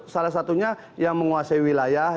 salah satunya yang menguasai wilayah